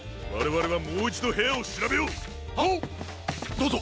どうぞ。